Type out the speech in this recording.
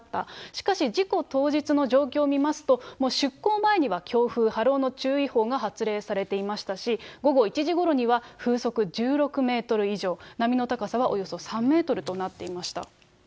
しかし事故当日の状況を見ますと、もう出航前には強風、波浪の注意報が発令されていましたし、午後１時ごろには風速１６メートル以上、波の高さはおよそ３メートルとなっていました。